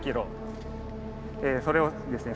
それをですね